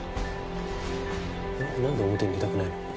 なんで表に出たくないの？